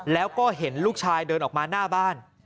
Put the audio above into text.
แล้วก็เห็นลูกชายเดินออกมาหน้าบ้าน